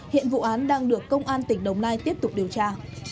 hiện vụ án đang được công an tỉnh đồng nai tiếp tục điều tra